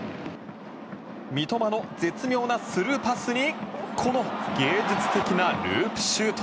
三笘の絶妙なスルーパスに芸術的なループシュート。